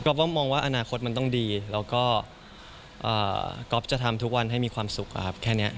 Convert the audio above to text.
ว่ามองว่าอนาคตมันต้องดีแล้วก็ก๊อฟจะทำทุกวันให้มีความสุขอะครับแค่นี้